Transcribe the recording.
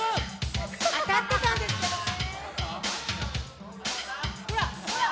当たってたんですけどね。